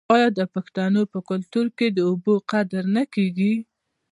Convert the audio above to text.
آیا د پښتنو په کلتور کې د اوبو قدر نه کیږي؟